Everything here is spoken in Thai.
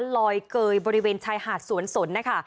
ลอยเกยบริเวณชายหาดสวนสนนะคะ